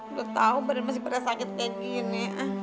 udah tahu badan masih pada sakit kayak gini